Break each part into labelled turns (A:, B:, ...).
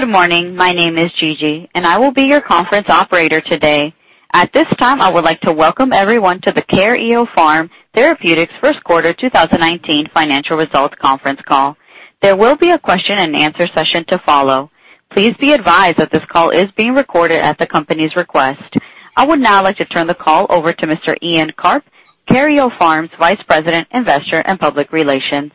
A: Good morning. My name is Gigi, and I will be your conference operator today. At this time, I would like to welcome everyone to the Karyopharm Therapeutics first quarter 2019 financial results conference call. There will be a question and answer session to follow. Please be advised that this call is being recorded at the company's request. I would now like to turn the call over to Mr. Ian Karp, Karyopharm's Vice President, Investor and Public Relations.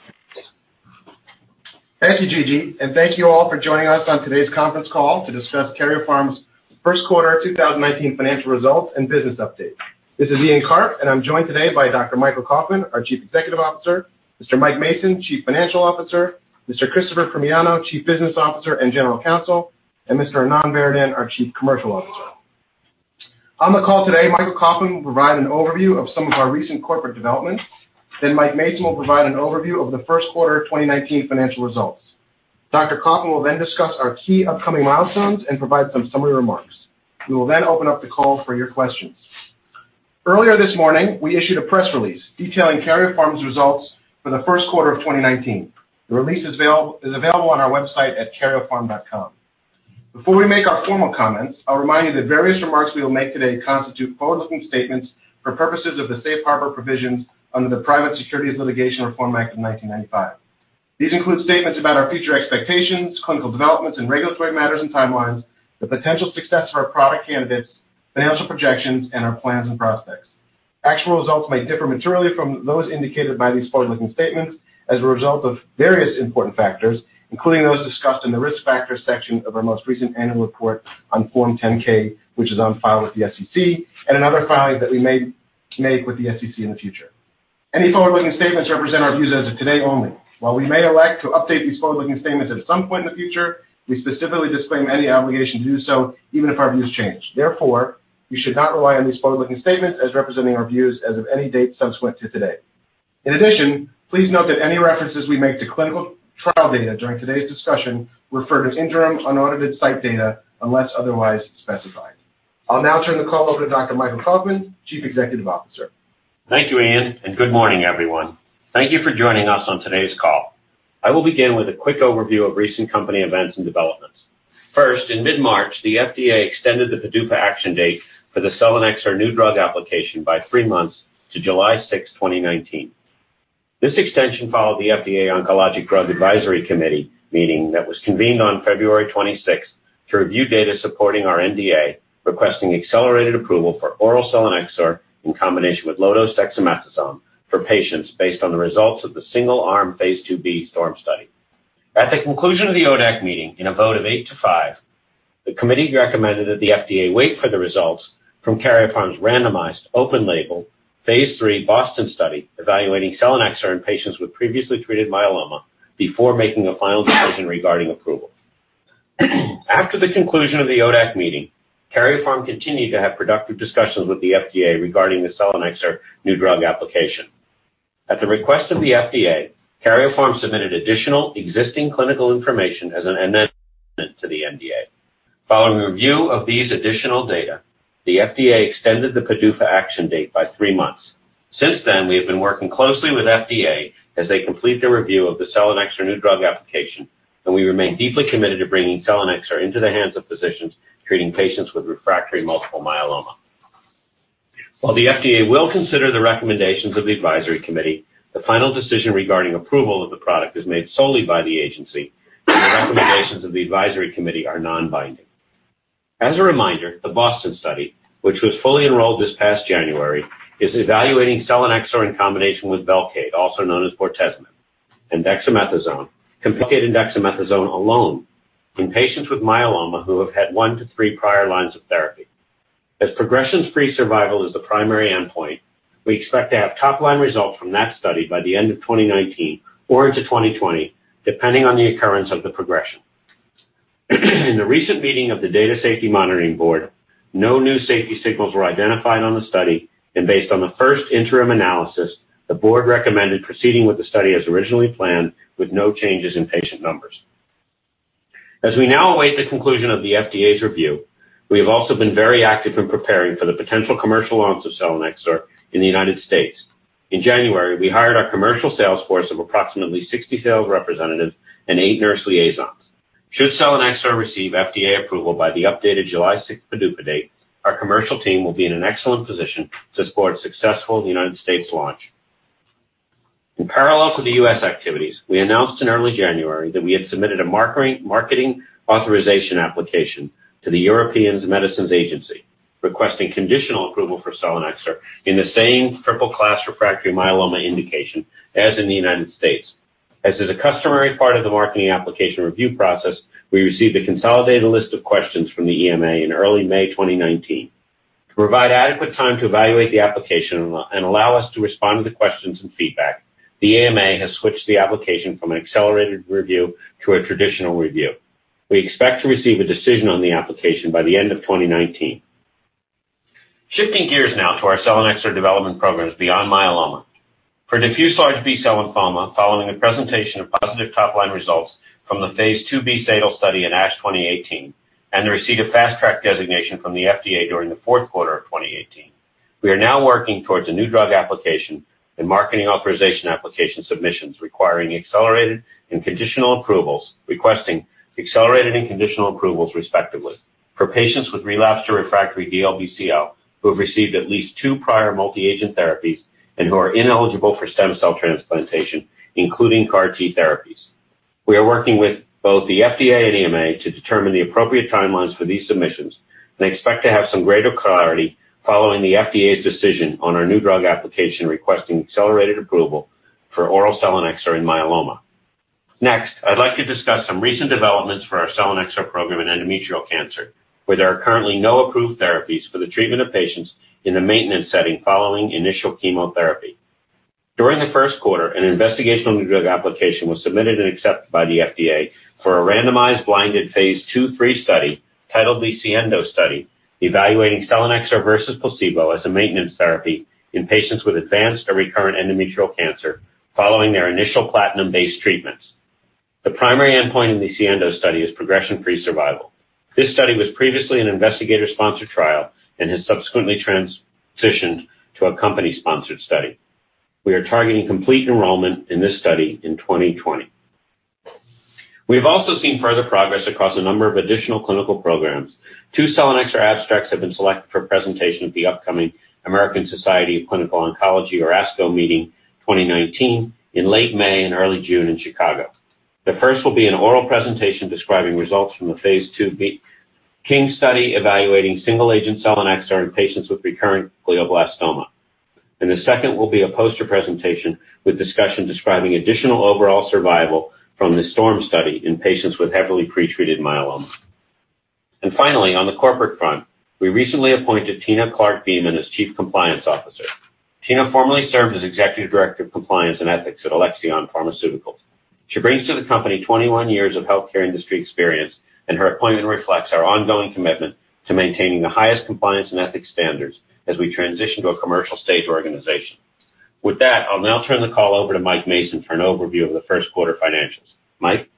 B: Thank you, Gigi, and thank you all for joining us on today's conference call to discuss Karyopharm's first quarter 2019 financial results and business update. This is Ian Karp, and I'm joined today by Dr. Michael Kauffman, our Chief Executive Officer, Mr. Mike Mason, Chief Financial Officer, Mr. Christopher Primiano, Chief Business Officer and General Counsel, and Mr. Anand Varadan, our Chief Commercial Officer. On the call today, Michael Kauffman will provide an overview of some of our recent corporate developments. Mike Mason will provide an overview of the first quarter 2019 financial results. Dr. Kauffman will discuss our key upcoming milestones and provide some summary remarks. We will open up the call for your questions. Earlier this morning, we issued a press release detailing Karyopharm's results for the first quarter of 2019. The release is available on our website at karyopharm.com. Before we make our formal comments, I'll remind you that various remarks we will make today constitute forward-looking statements for purposes of the safe harbor provisions under the Private Securities Litigation Reform Act of 1995. These include statements about our future expectations, clinical developments, and regulatory matters and timelines, the potential success for our product candidates, financial projections, and our plans and prospects. Actual results may differ materially from those indicated by these forward-looking statements as a result of various important factors, including those discussed in the Risk Factors section of our most recent annual report on Form 10-K, which is on file with the SEC, and in other filings that we may make with the SEC in the future. Any forward-looking statements represent our views as of today only. While we may elect to update these forward-looking statements at some point in the future, we specifically disclaim any obligation to do so, even if our views change. Therefore, you should not rely on these forward-looking statements as representing our views as of any date subsequent to today. In addition, please note that any references we make to clinical trial data during today's discussion refer to interim unaudited site data unless otherwise specified. I'll now turn the call over to Dr. Michael Kauffman, Chief Executive Officer.
C: Thank you, Ian, and good morning, everyone. Thank you for joining us on today's call. I will begin with a quick overview of recent company events and developments. First, in mid-March, the FDA extended the PDUFA action date for the selinexor new drug application by three months to July 6, 2019. This extension followed the FDA Oncologic Drug Advisory Committee meeting that was convened on February 26 to review data supporting our NDA, requesting accelerated approval for oral selinexor in combination with low-dose dexamethasone for patients based on the results of the single-arm phase II-B STORM study. At the conclusion of the ODAC meeting, in a vote of eight to five, the committee recommended that the FDA wait for the results from Karyopharm's randomized, open-label, phase III BOSTON study evaluating selinexor in patients with previously treated myeloma before making a final decision regarding approval. After the conclusion of the ODAC meeting, Karyopharm continued to have productive discussions with the FDA regarding the selinexor new drug application. At the request of the FDA, Karyopharm submitted additional existing clinical information as an amendment to the NDA. Following review of these additional data, the FDA extended the PDUFA action date by three months. Since then, we have been working closely with FDA as they complete their review of the selinexor new drug application, and we remain deeply committed to bringing selinexor into the hands of physicians treating patients with refractory multiple myeloma. While the FDA will consider the recommendations of the advisory committee, the final decision regarding approval of the product is made solely by the agency and the recommendations of the advisory committee are non-binding. As a reminder, the BOSTON study, which was fully enrolled this past January, is evaluating selinexor in combination with Velcade, also known as bortezomib, and dexamethasone, compared to dexamethasone alone in patients with myeloma who have had one to three prior lines of therapy. As progression-free survival is the primary endpoint, we expect to have top-line results from that study by the end of 2019 or into 2020, depending on the occurrence of the progression. In the recent meeting of the Data Safety Monitoring Board, no new safety signals were identified on the study, and based on the first interim analysis, the board recommended proceeding with the study as originally planned with no changes in patient numbers. As we now await the conclusion of the FDA's review, we have also been very active in preparing for the potential commercial launch of selinexor in the U.S. In January, we hired our commercial sales force of approximately 60 sales representatives and eight nurse liaisons. Should selinexor receive FDA approval by the updated July 6 PDUFA date, our commercial team will be in an excellent position to support a successful U.S. launch. In parallel to the U.S. activities, we announced in early January that we had submitted a marketing authorization application to the European Medicines Agency, requesting conditional approval for selinexor in the same triple-class refractory myeloma indication as in the U.S. As is a customary part of the marketing application review process, we received a consolidated list of questions from the EMA in early May 2019. To provide adequate time to evaluate the application and allow us to respond to the questions and feedback, the EMA has switched the application from an accelerated review to a traditional review. We expect to receive a decision on the application by the end of 2019. Shifting gears now to our selinexor development programs beyond myeloma. For diffuse large B-cell lymphoma, following the presentation of positive top-line results from the phase II-B SADAL study at ASH 2018 and the receipt of Fast Track designation from the FDA during the fourth quarter of 2018. We are now working towards a New Drug Application and Marketing Authorization Application submissions requesting accelerated and conditional approvals, respectively, for patients with relapsed or refractory DLBCL who have received at least two prior multi-agent therapies and who are ineligible for stem cell transplantation, including CAR T therapies. We are working with both the FDA and EMA to determine the appropriate timelines for these submissions. We expect to have some greater clarity following the FDA's decision on our New Drug Application requesting accelerated approval for oral selinexor in myeloma. Next, I'd like to discuss some recent developments for our selinexor program in endometrial cancer, where there are currently no approved therapies for the treatment of patients in the maintenance setting following initial chemotherapy. During the first quarter, an Investigational New Drug Application was submitted and accepted by the FDA for a randomized, blinded phase II/III study titled the SIENDO study, evaluating selinexor versus placebo as a maintenance therapy in patients with advanced or recurrent endometrial cancer following their initial platinum-based treatments. The primary endpoint in the SIENDO study is progression-free survival. This study was previously an investigator-sponsored trial and has subsequently transitioned to a company-sponsored study. We are targeting complete enrollment in this study in 2020. We've also seen further progress across a number of additional clinical programs. Two selinexor abstracts have been selected for presentation at the upcoming American Society of Clinical Oncology, or ASCO, meeting 2019 in late May and early June in Chicago. The first will be an oral presentation describing results from the phase II-B KING study evaluating single-agent selinexor in patients with recurrent glioblastoma. The second will be a poster presentation with discussion describing additional overall survival from the STORM study in patients with heavily pretreated myeloma. Finally, on the corporate front, we recently appointed Tina Clark Beam as chief compliance officer. Tina formerly served as Executive Director of Compliance and Ethics at Alexion Pharmaceuticals. She brings to the company 21 years of healthcare industry experience. Her appointment reflects our ongoing commitment to maintaining the highest compliance and ethics standards as we transition to a commercial stage organization. With that, I'll now turn the call over to Mike Mason for an overview of the first quarter financials. Mike?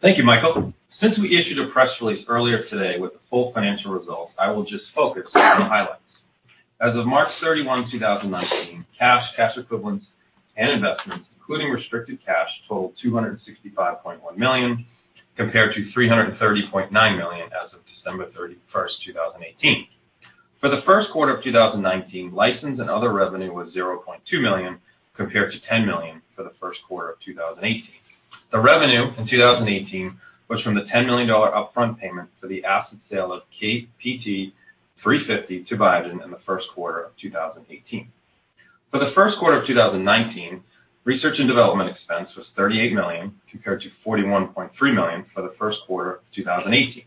D: Thank you, Michael. Since we issued a press release earlier today with the full financial results, I will just focus on the highlights. As of March 31, 2019, cash equivalents, and investments, including restricted cash, totaled $265.1 million, compared to $330.9 million as of December 31, 2018. For the first quarter of 2019, license and other revenue was $0.2 million compared to $10 million for the first quarter of 2018. The revenue in 2018 was from the $10 million upfront payment for the asset sale of KPT-350 to Biogen in the first quarter of 2018. For the first quarter of 2019, research and development expense was $38 million, compared to $41.3 million for the first quarter of 2018.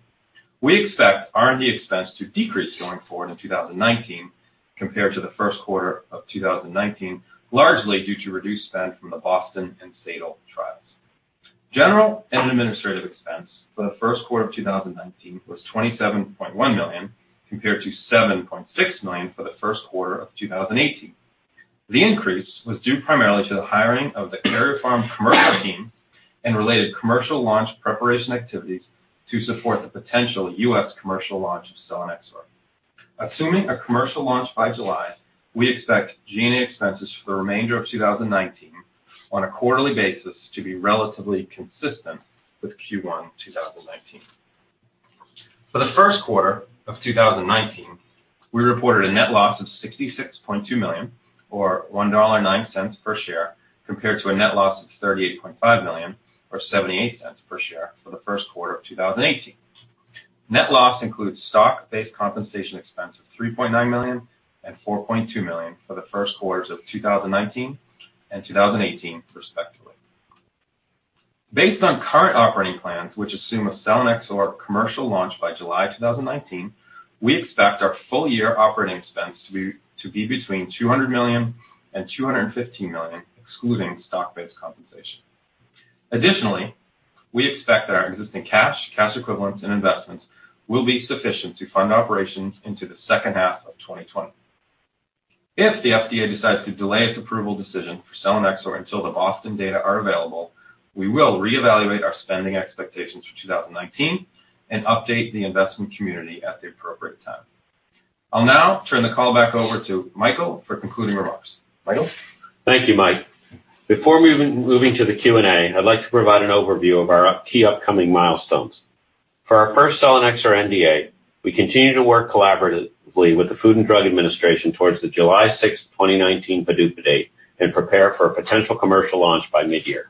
D: We expect R&D expense to decrease going forward in 2019 compared to the first quarter of 2019, largely due to reduced spend from the BOSTON and SADAL trials. General and administrative expense for the first quarter of 2019 was $27.1 million, compared to $7.6 million for the first quarter of 2018. The increase was due primarily to the hiring of the Karyopharm commercial team and related commercial launch preparation activities to support the potential U.S. commercial launch of selinexor. Assuming a commercial launch by July, we expect G&A expenses for the remainder of 2019 on a quarterly basis to be relatively consistent with Q1 2019. For the first quarter of 2019, we reported a net loss of $66.2 million, or $1.09 per share, compared to a net loss of $38.5 million or $0.78 per share for the first quarter of 2018. Net loss includes stock-based compensation expense of $3.9 million and $4.2 million for the first quarters of 2019 and 2018, respectively. Based on current operating plans, which assume a selinexor commercial launch by July 2019, we expect our full year operating expense to be between $200 million and $250 million, excluding stock-based compensation. Additionally, we expect that our existing cash equivalents, and investments will be sufficient to fund operations into the second half of 2020. If the FDA decides to delay its approval decision for selinexor until the BOSTON data are available, we will reevaluate our spending expectations for 2019 and update the investment community at the appropriate time. I'll now turn the call back over to Michael for concluding remarks. Michael?
C: Thank you, Mike. Before moving to the Q&A, I'd like to provide an overview of our key upcoming milestones. For our first selinexor NDA, we continue to work collaboratively with the Food and Drug Administration towards the July 6, 2019 PDUFA date and prepare for a potential commercial launch by mid-year.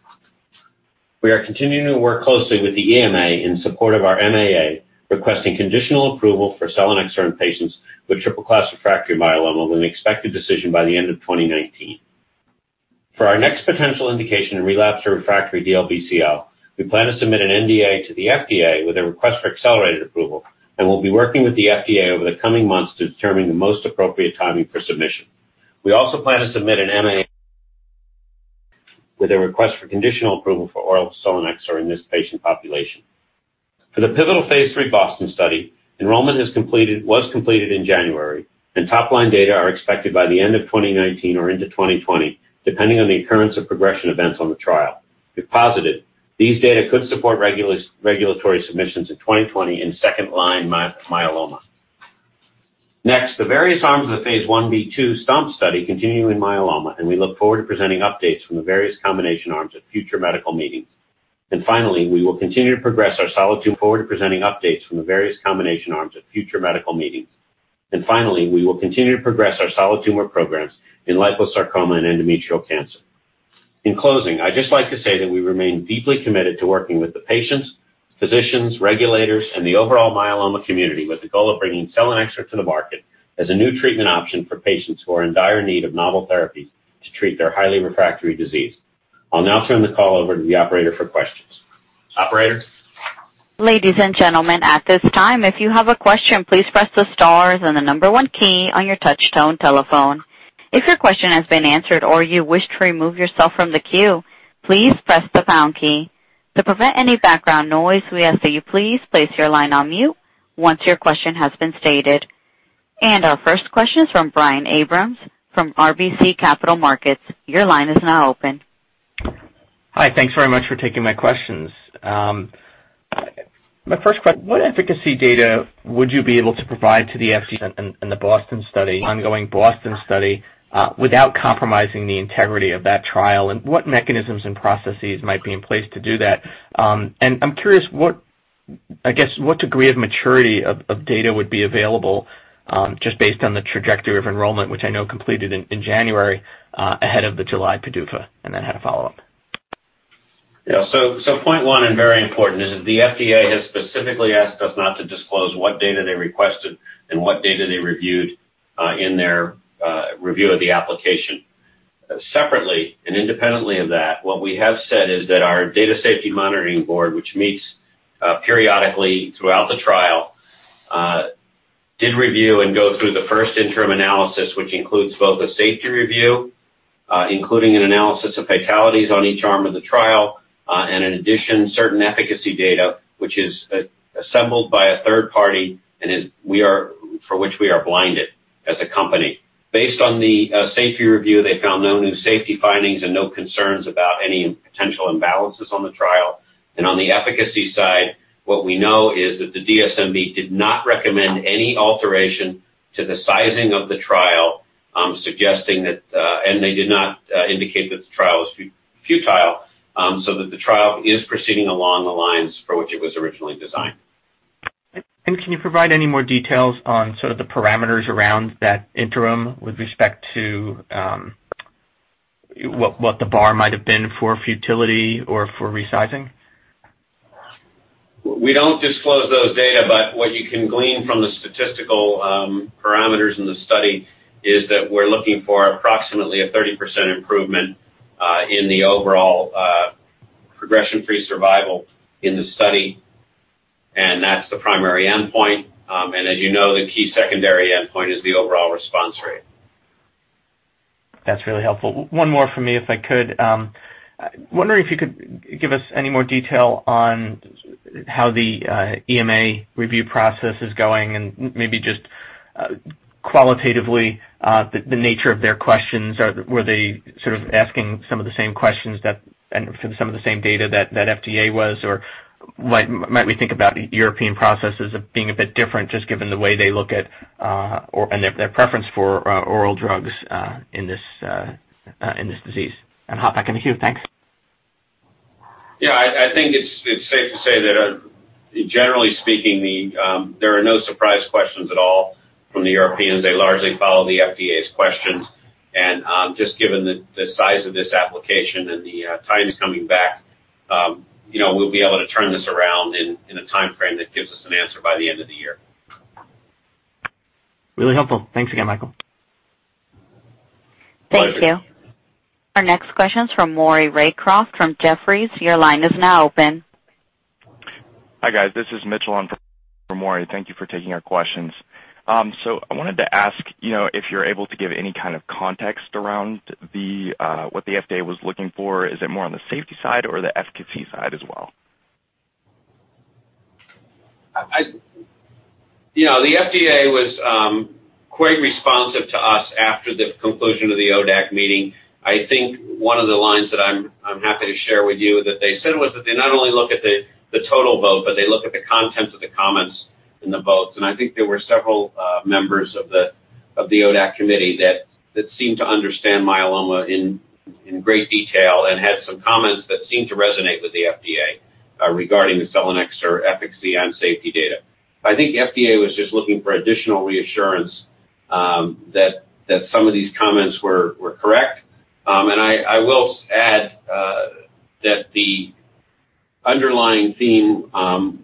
C: We are continuing to work closely with the EMA in support of our MAA, requesting conditional approval for selinexor in patients with triple-class refractory myeloma, with an expected decision by the end of 2019. For our next potential indication in relapsed or refractory DLBCL, we plan to submit an NDA to the FDA with a request for accelerated approval and will be working with the FDA over the coming months to determine the most appropriate timing for submission. We also plan to submit an MAA with a request for conditional approval for oral selinexor in this patient population. For the pivotal phase III BOSTON study, enrollment was completed in January, and top-line data are expected by the end of 2019 or into 2020, depending on the occurrence of progression events on the trial. These data could support regulatory submissions in 2020 in second-line myeloma. The various arms of the phase I-B/II STOMP study continue in myeloma, and we look forward to presenting updates from the various combination arms at future medical meetings. Finally, we will continue to progress our solid tumor programs in liposarcoma and endometrial cancer. In closing, I'd just like to say that we remain deeply committed to working with the patients, physicians, regulators, and the overall myeloma community with the goal of bringing selinexor to the market as a new treatment option for patients who are in dire need of novel therapies to treat their highly refractory disease. I'll now turn the call over to the operator for questions. Operator?
A: Ladies and gentlemen, at this time, if you have a question, please press the Star and the number 1 key on your touchtone telephone. If your question has been answered or you wish to remove yourself from the queue, please press the pound key. To prevent any background noise, we ask that you please place your line on mute once your question has been stated. Our first question is from Brian Abrahams from RBC Capital Markets. Your line is now open.
E: Hi. Thanks very much for taking my questions. My first question, what efficacy data would you be able to provide to the FDA in the ongoing BOSTON study, without compromising the integrity of that trial? What mechanisms and processes might be in place to do that? I'm curious what degree of maturity of data would be available, just based on the trajectory of enrollment, which I know completed in January, ahead of the July PDUFA, then I have a follow-up.
C: Yeah. Point 1 and very important is that the FDA has specifically asked us not to disclose what data they requested and what data they reviewed in their review of the application. Separately and independently of that, what we have said is that our Data Safety Monitoring Board, which meets periodically throughout the trial, did review and go through the first interim analysis, which includes both a safety review, including an analysis of fatalities on each arm of the trial. In addition, certain efficacy data, which is assembled by a third party, and for which we are blinded as a company. Based on the safety review, they found no new safety findings and no concerns about any potential imbalances on the trial. On the efficacy side, what we know is that the DSMB did not recommend any alteration to the sizing of the trial, and they did not indicate that the trial was futile, so that the trial is proceeding along the lines for which it was originally designed.
E: Can you provide any more details on sort of the parameters around that interim with respect to what the bar might've been for futility or for resizing?
C: We don't disclose those data, but what you can glean from the statistical parameters in the study is that we're looking for approximately a 30% improvement in the overall progression-free survival in the study, and that's the primary endpoint. As you know, the key secondary endpoint is the overall response rate.
E: That's really helpful. One more from me, if I could. Wondering if you could give us any more detail on how the EMA review process is going and maybe just qualitatively the nature of their questions. Were they sort of asking some of the same questions and for some of the same data that FDA was, or might we think about European processes of being a bit different, just given the way they look at and their preference for oral drugs in this disease? Hop back into queue. Thanks.
C: Yeah. I think it's safe to say that generally speaking, there are no surprise questions at all from the Europeans. They largely follow the FDA's questions. Just given the size of this application and the times coming back, we'll be able to turn this around in a timeframe that gives us an answer by the end of the year.
E: Really helpful. Thanks again, Michael.
C: Pleasure.
A: Thank you. Our next question is from Maury Raycroft from Jefferies. Your line is now open.
F: Hi, guys. This is Mitchell on for Maury. Thank you for taking our questions. I wanted to ask if you're able to give any kind of context around what the FDA was looking for. Is it more on the safety side or the efficacy side as well?
C: The FDA was quite responsive to us after the conclusion of the ODAC meeting. I think one of the lines that I'm happy to share with you that they said was that they not only look at the total vote, but they look at the content of the comments in the votes. I think there were several members of the ODAC committee that seemed to understand myeloma in great detail and had some comments that seemed to resonate with the FDA regarding the selinexor efficacy on safety data. I think the FDA was just looking for additional reassurance that some of these comments were correct. I will add that the underlying theme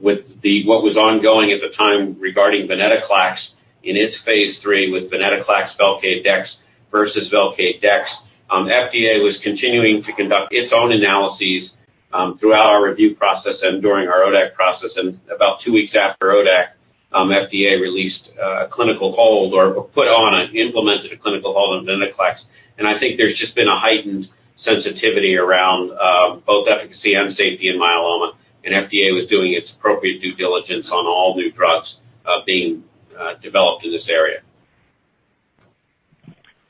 C: with what was ongoing at the time regarding venetoclax in its phase III with venetoclax/Velcade dex versus Velcade dex, FDA was continuing to conduct its own analyses throughout our review process and during our ODAC process. About two weeks after ODAC, FDA released a clinical hold or implemented a clinical hold on venetoclax, and I think there's just been a heightened sensitivity around both efficacy and safety in myeloma, and FDA was doing its appropriate due diligence on all new drugs being developed in this area.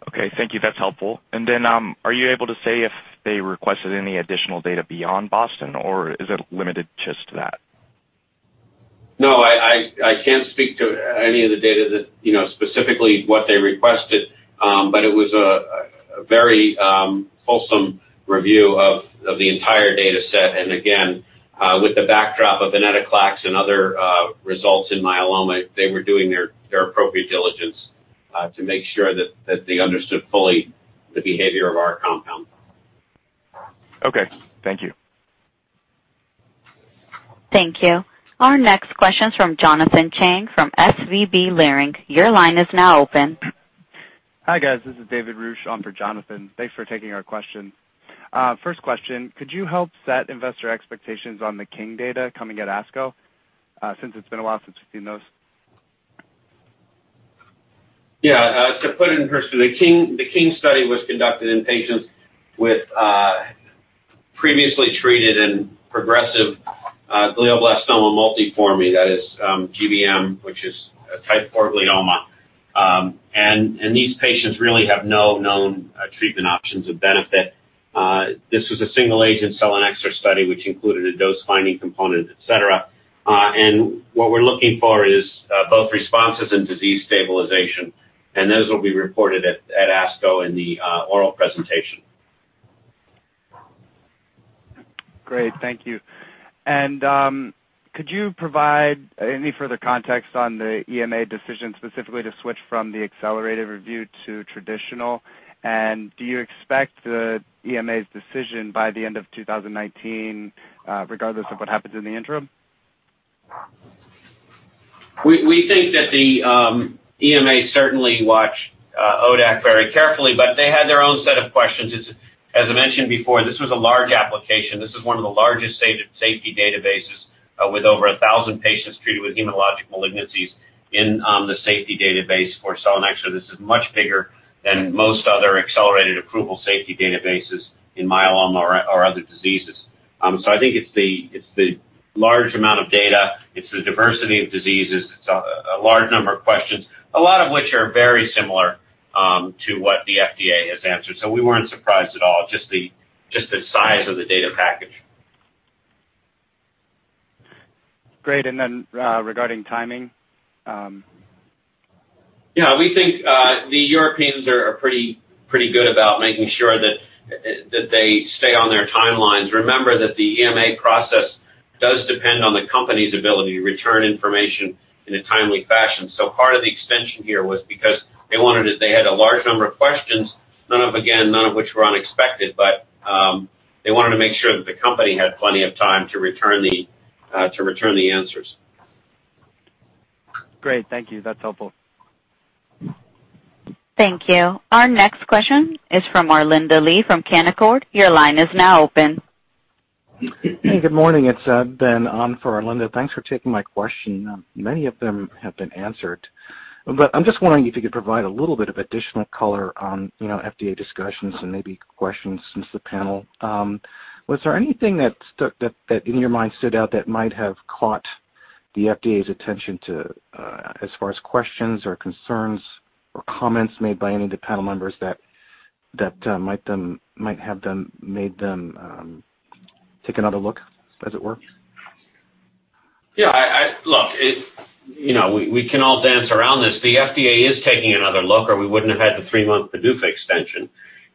F: Okay. Thank you. That's helpful. Are you able to say if they requested any additional data beyond BOSTON, or is it limited just to that?
C: I can't speak to any of the data that, specifically what they requested. It was a very wholesome review of the entire data set, and again, with the backdrop of venetoclax and other results in myeloma, they were doing their appropriate diligence to make sure that they understood fully the behavior of our compound.
F: Okay. Thank you.
A: Thank you. Our next question's from Jonathan Chang from SVB Leerink. Your line is now open.
G: Hi, guys. This is David Roche on for Jonathan. Thanks for taking our question. First question, could you help set investor expectations on the KING data coming at ASCO, since it's been a while since we've seen those?
C: Yeah. To put it in perspective, the KING study was conducted in patients with previously treated and progressive glioblastoma multiforme, that is GBM, which is a type of glioma. These patients really have no known treatment options of benefit. This was a single-agent selinexor study, which included a dose-finding component, et cetera. What we're looking for is both responses and disease stabilization, and those will be reported at ASCO in the oral presentation.
G: Great. Thank you. Could you provide any further context on the EMA decision specifically to switch from the accelerated review to traditional? Do you expect the EMA's decision by the end of 2019, regardless of what happens in the interim?
C: We think that the EMA certainly watch ODAC very carefully, they had their own set of questions. As I mentioned before, this was a large application. This is one of the largest safety databases, with over 1,000 patients treated with hematologic malignancies in the safety database for selinexor. This is much bigger than most other accelerated approval safety databases in myeloma or other diseases. I think it's the large amount of data, it's the diversity of diseases, it's a large number of questions, a lot of which are very similar to what the FDA has answered. We weren't surprised at all, just the size of the data package.
G: Great. Then regarding timing?
C: We think the Europeans are pretty good about making sure that they stay on their timelines. Remember that the EMA process does depend on the company's ability to return information in a timely fashion. Part of the extension here was because they had a large number of questions, none of which were unexpected, but they wanted to make sure that the company had plenty of time to return the answers.
G: Great. Thank you. That's helpful.
A: Thank you. Our next question is from Arlinda Lee from Canaccord. Your line is now open.
H: Hey, good morning. It's Ben on for Arlinda. Thanks for taking my question. Many of them have been answered, but I'm just wondering if you could provide a little bit of additional color on FDA discussions and maybe questions since the panel. Was there anything that in your mind stood out that might have caught the FDA's attention to, as far as questions or concerns or comments made by any of the panel members that might have made them take another look as it were?
C: Yeah, look, we can all dance around this. The FDA is taking another look, or we wouldn't have had the 3-month PDUFA extension.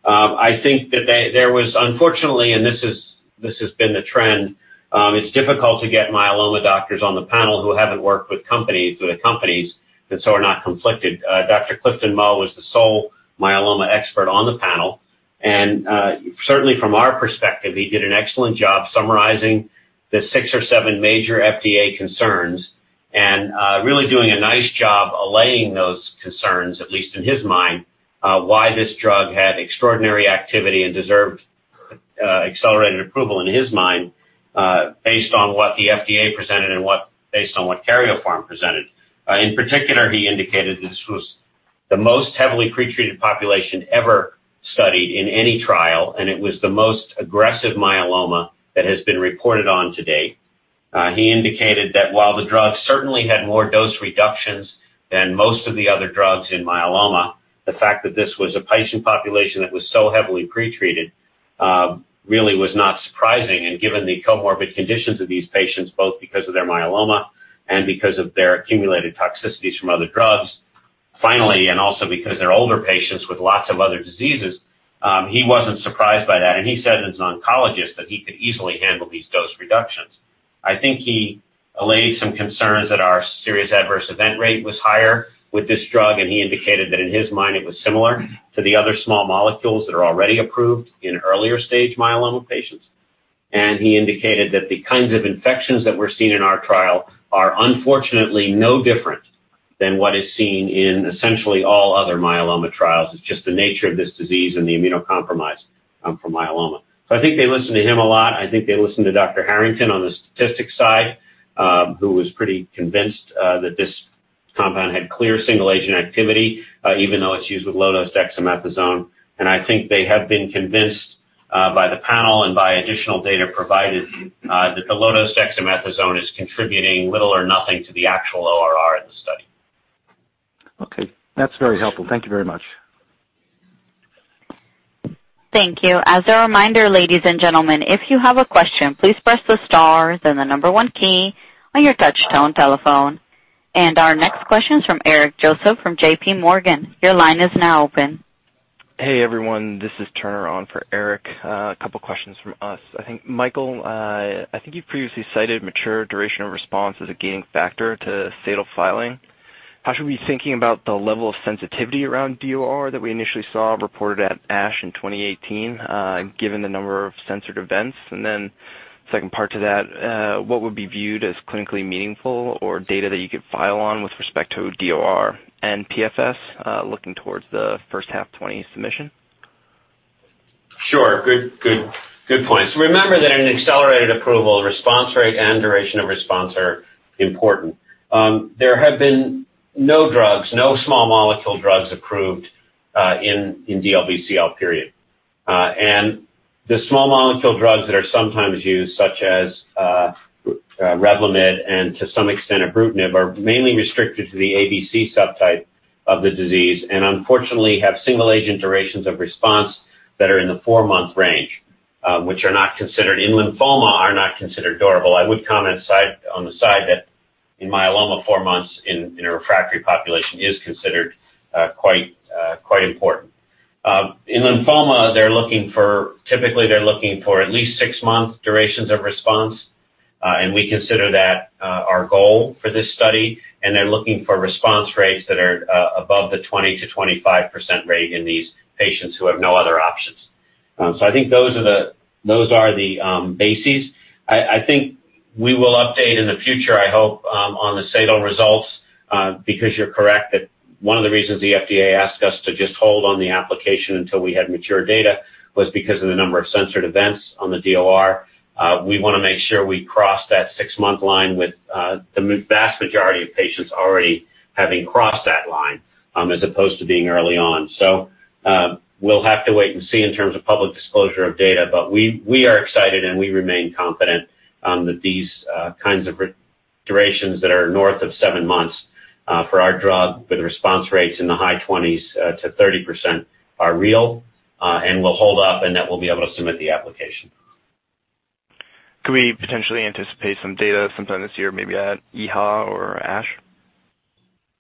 C: I think that there was unfortunately, and this has been the trend, it's difficult to get myeloma doctors on the panel who haven't worked with companies, so are not conflicted. Dr. Clifton Mo was the sole myeloma expert on the panel, and certainly from our perspective, he did an excellent job summarizing the six or seven major FDA concerns and really doing a nice job allaying those concerns, at least in his mind, why this drug had extraordinary activity and deserved accelerated approval in his mind, based on what the FDA presented and based on what Karyopharm presented. In particular, he indicated this was the most heavily pretreated population ever studied in any trial, it was the most aggressive myeloma that has been reported on to date. He indicated that while the drug certainly had more dose reductions than most of the other drugs in myeloma, the fact that this was a patient population that was so heavily pretreated really was not surprising, and given the comorbid conditions of these patients, both because of their myeloma and because of their accumulated toxicities from other drugs. Finally, also because they're older patients with lots of other diseases, he wasn't surprised by that, and he said as an oncologist that he could easily handle these dose reductions. I think he allayed some concerns that our serious adverse event rate was higher with this drug, and he indicated that in his mind it was similar to the other small molecules that are already approved in earlier stage myeloma patients. He indicated that the kinds of infections that we're seeing in our trial are unfortunately no different than what is seen in essentially all other myeloma trials. It's just the nature of this disease and the immunocompromise from myeloma. I think they listened to him a lot. I think they listened to Dr. Harrington on the statistics side, who was pretty convinced that this compound had clear single-agent activity, even though it's used with low-dose dexamethasone. I think they have been convinced by the panel and by additional data provided, that the low-dose dexamethasone is contributing little or nothing to the actual ORR in the study.
H: Okay. That's very helpful. Thank you very much.
A: Thank you. As a reminder, ladies and gentlemen, if you have a question, please press the star then the number one key on your touch tone telephone. Our next question is from Eric Joseph from JPMorgan. Your line is now open.
I: Hey, everyone. This is Turner on for Eric. A couple questions from us. Michael, I think you previously cited mature duration of response as a gaining factor to SADAL filing. How should we be thinking about the level of sensitivity around DOR that we initially saw reported at ASH in 2018, given the number of censored events? Then second part to that, what would be viewed as clinically meaningful or data that you could file on with respect to DOR and PFS, looking towards the first half 2020 submission?
C: Sure. Good points. Remember that in an accelerated approval, response rate and duration of response are important. There have been no small molecule drugs approved in DLBCL period. The small molecule drugs that are sometimes used, such as REVLIMID and to some extent ibrutinib, are mainly restricted to the ABC subtype of the disease, and unfortunately have single-agent durations of response that are in the four-month range, which are not considered in lymphoma, are not considered durable. I would comment on the side that in myeloma, four months in a refractory population is considered quite important. In lymphoma, typically they're looking for at least six months durations of response, and we consider that our goal for this study, and they're looking for response rates that are above the 20%-25% rate in these patients who have no other options. I think those are the bases. I think we will update in the future, I hope, on the SADAL results, because you're correct that one of the reasons the FDA asked us to just hold on the application until we had mature data was because of the number of censored events on the DOR. We want to make sure we cross that six-month line with the vast majority of patients already having crossed that line, as opposed to being early on. We'll have to wait and see in terms of public disclosure of data, but we are excited, and we remain confident that these kinds of durations that are north of seven months for our drug with response rates in the high 20s-30% are real and will hold up, and that we'll be able to submit the application.
I: Could we potentially anticipate some data sometime this year, maybe at EHA or ASH?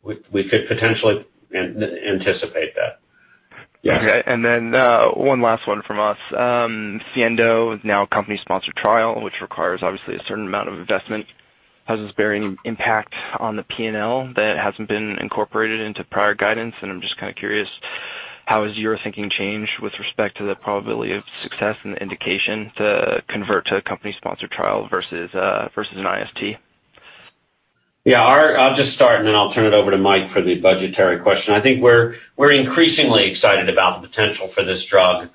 C: We could potentially anticipate that, yes.
I: Okay. One last one from us. SIENDO is now a company-sponsored trial, which requires obviously a certain amount of investment. Has this bearing impact on the P&L that hasn't been incorporated into prior guidance? I'm just kind of curious, how has your thinking changed with respect to the probability of success and the indication to convert to a company-sponsored trial versus an IST?
C: Yeah, I'll just start, and then I'll turn it over to Mike for the budgetary question. I think we're increasingly excited about the potential for this drug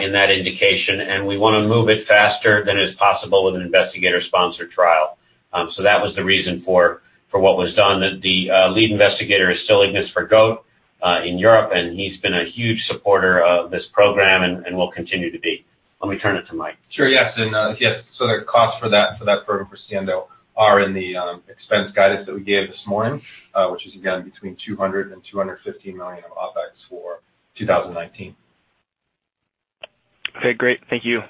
C: in that indication, and we want to move it faster than is possible with an investigator-sponsored trial. That was the reason for what was done. The lead investigator is still Ignace Vergote in Europe, and he's been a huge supporter of this program and will continue to be. Let me turn it to Mike.
D: Sure. Yes. The cost for that program for SIENDO are in the expense guidance that we gave this morning, which is again between $200 million and $250 million of OpEx for 2019.
I: Okay, great. Thank you.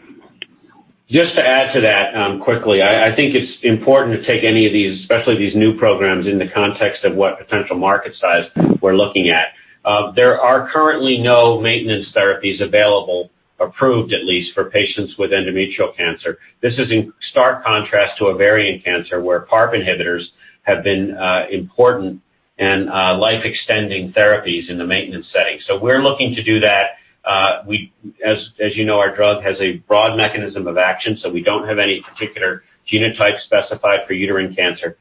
C: Just to add to that quickly, I think it's important to take any of these, especially these new programs, in the context of what potential market size we're looking at. There are currently no maintenance therapies available, approved at least, for patients with endometrial cancer. This is in stark contrast to ovarian cancer, where PARP inhibitors have been important and life-extending therapies in the maintenance setting. We're looking to do that. As you know, our drug has a broad mechanism of action, we don't have any particular genotype specified for uterine cancer.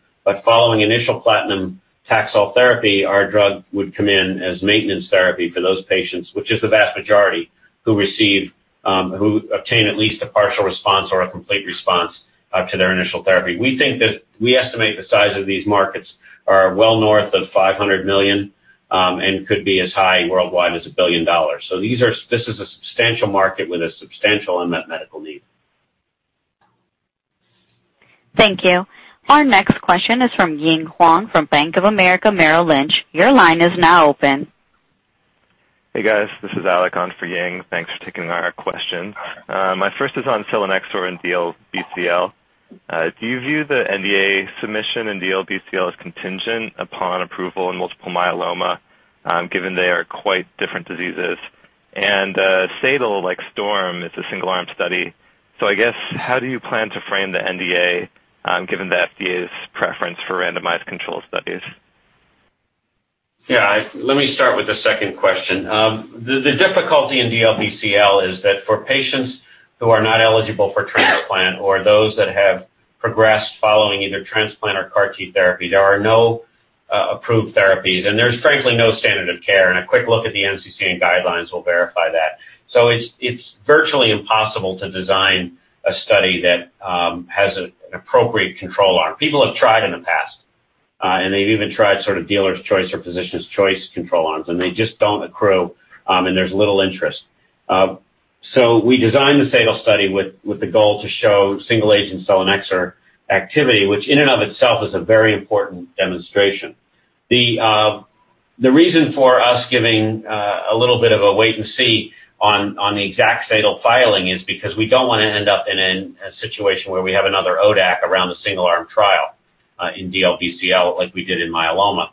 C: Following initial platinum Taxol therapy, our drug would come in as maintenance therapy for those patients, which is the vast majority who obtain at least a partial response or a complete response to their initial therapy. We estimate the size of these markets are well north of $500 million, and could be as high worldwide as $1 billion. This is a substantial market with a substantial unmet medical need.
A: Thank you. Our next question is from Ying Huang from Bank of America Merrill Lynch. Your line is now open.
J: Hey, guys. This is Alec on for Ying. Thanks for taking our question. My first is on selinexor and DLBCL. Do you view the NDA submission in DLBCL as contingent upon approval in multiple myeloma, given they are quite different diseases? SADAL, like STORM, it's a single-arm study. I guess, how do you plan to frame the NDA, given the FDA's preference for randomized control studies?
C: Yeah, let me start with the second question. The difficulty in DLBCL is that for patients who are not eligible for transplant or those that have progressed following either transplant or CAR T therapy, there are no approved therapies, and there's frankly no standard of care, and a quick look at the NCCN guidelines will verify that. It's virtually impossible to design a study that has an appropriate control arm. People have tried in the past. They've even tried dealer's choice or physician's choice control arms, and they just don't accrue, and there's little interest. We designed the SADAL study with the goal to show single agent selinexor activity, which in and of itself is a very important demonstration. The reason for us giving a little bit of a wait and see on the exact SADAL filing is because we don't want to end up in a situation where we have another ODAC around a single-arm trial in DLBCL like we did in myeloma.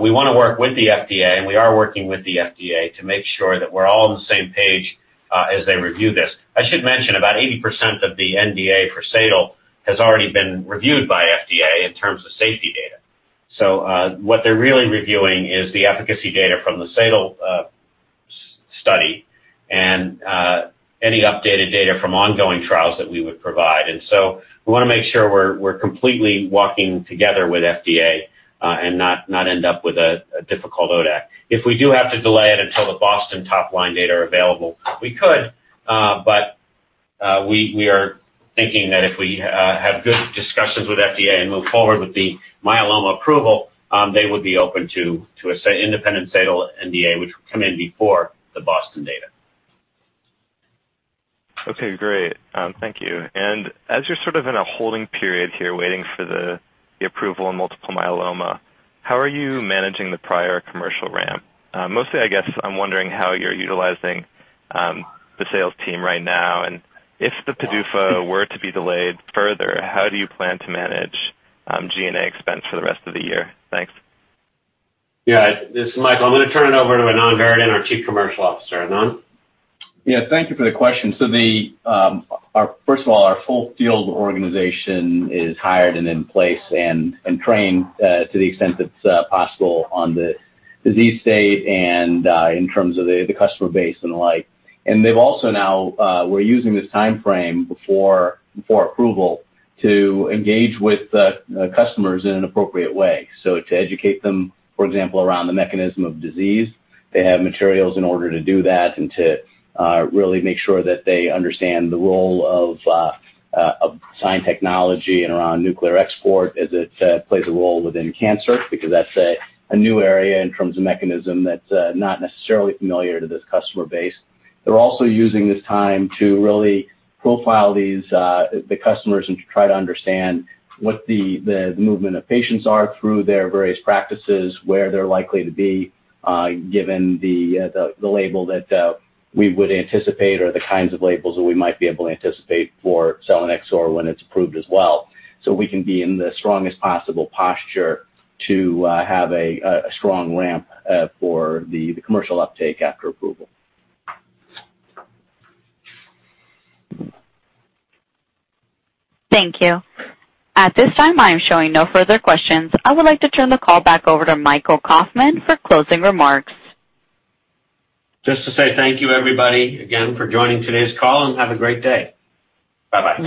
C: We want to work with the FDA, and we are working with the FDA to make sure that we're all on the same page as they review this. I should mention about 80% of the NDA for SADAL has already been reviewed by FDA in terms of safety data. What they're really reviewing is the efficacy data from the SADAL study and any updated data from ongoing trials that we would provide. We want to make sure we're completely walking together with FDA, and not end up with a difficult ODAC. If we do have to delay it until the BOSTON top line data are available, we could. We are thinking that if we have good discussions with FDA and move forward with the myeloma approval, they would be open to an independent SADAL NDA, which would come in before the BOSTON data.
J: Okay, great. Thank you. As you're sort of in a holding period here, waiting for the approval on multiple myeloma, how are you managing the prior commercial ramp? Mostly, I guess, I'm wondering how you're utilizing the sales team right now, and if the PDUFA were to be delayed further, how do you plan to manage G&A expense for the rest of the year? Thanks.
C: Yeah. This is Michael. I'm going to turn it over to Anand Varadan, our Chief Commercial Officer. Anand?
K: Yeah, thank you for the question. First of all, our full field organization is hired and in place and trained to the extent that's possible on the disease state and in terms of the customer base and the like. We're using this timeframe before approval to engage with the customers in an appropriate way. To educate them, for example, around the mechanism of disease, they have materials in order to do that and to really make sure that they understand the role of SINE technology and around nuclear export as it plays a role within cancer, because that's a new area in terms of mechanism that's not necessarily familiar to this customer base. They're also using this time to really profile the customers and to try to understand what the movement of patients are through their various practices, where they're likely to be given the label that we would anticipate or the kinds of labels that we might be able to anticipate for selinexor when it's approved as well. We can be in the strongest possible posture to have a strong ramp for the commercial uptake after approval.
A: Thank you. At this time, I am showing no further questions. I would like to turn the call back over to Michael Kauffman for closing remarks.
C: Just to say thank you everybody, again, for joining today's call, and have a great day. Bye-bye.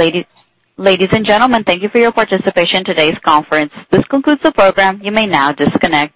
A: Ladies and gentlemen, thank you for your participation in today's conference. This concludes the program. You may now disconnect.